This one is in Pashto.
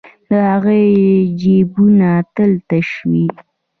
د هغوی جېبونه تل تش وي